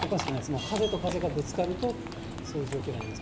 もう風と風がぶつかると、そういう状況になります。